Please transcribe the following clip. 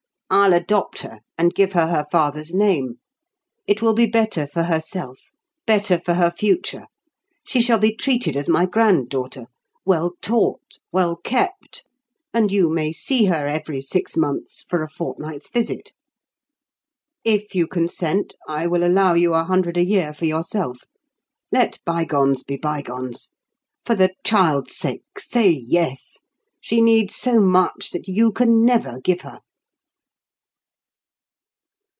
"I'll adopt her, and give her her father's name. It will be better for herself; better for her future. She shall be treated as my granddaughter, well taught, well kept; and you may see her every six months for a fortnight's visit. If you consent, I will allow you a hundred a year for yourself. Let bygones be bygones. For the child's sake, say yes! She needs so much that you can never give her!"